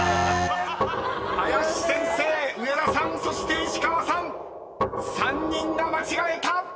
［林先生上田さんそして石川さん３人が間違えた！］